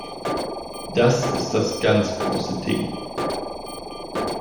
Das ist das ganz große Ding.